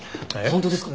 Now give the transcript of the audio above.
本当ですか！？